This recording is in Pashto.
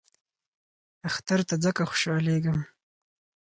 اختر ته ځکه خوشحالیږم .